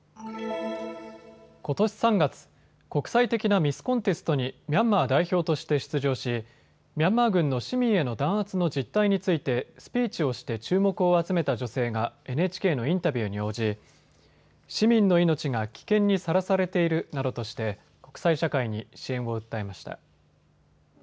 ことし３月、国際的なミス・コンテストにミャンマー代表として出場しミャンマー軍の市民への弾圧の実態についてスピーチをして注目を集めた女性がＮＨＫのインタビューに応じ市民の命が危険にさらされているなどとして国際社会に支援を訴えました。